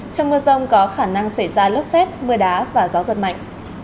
trong mưa rông có khả năng xảy ra lốc xét mưa đá và gió giật mạnh